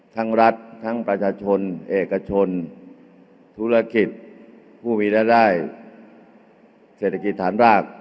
ทั้งรัฐทั้งประชาชนเอกชนธุรกิจผู้มีรายได้เศรษฐกิจฐานราก